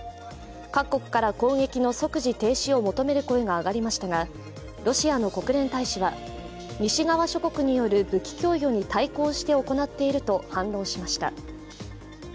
各国から攻撃の即時停止を求める声が上がりましたがロシアの国連大使は西側諸国による武器供与に対抗して行っていると反論しました。